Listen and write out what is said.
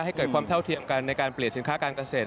ให้เกิดความเท่าเทียมกันในการเปลี่ยนสินค้าการเกษตร